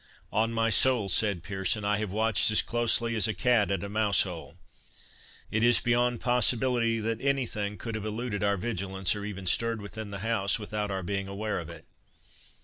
"On my soul," said Pearson, "I have watched as closely as a cat at a mouse hole. It is beyond possibility that any thing could have eluded our vigilance, or even stirred within the house, without our being aware of it."